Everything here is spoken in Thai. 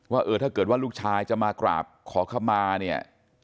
ว่าเออถ้าเกิดว่าลูกชายจะมากราบขอขมาเนี่ย